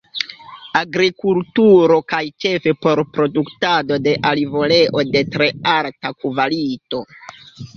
Agrikulturo kaj ĉefe por produktado de olivoleo de tre alta kvalito.